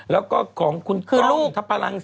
แล้วก็ของคุณกล้องทัพพลังศรี